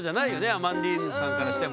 アマンディーヌさんからしても。